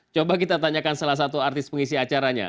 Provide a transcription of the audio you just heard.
coba kita tanyakan salah satu artis pengisi acaranya